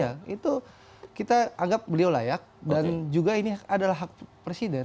ya itu kita anggap beliau layak dan juga ini adalah hak presiden